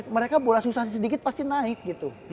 mereka boleh susah sedikit pasti naik gitu